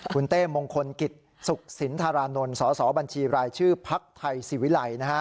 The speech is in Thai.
คุณเต้มงคลกิจสุขสินธารานนท์สสบัญชีรายชื่อพักไทยศิวิลัยนะฮะ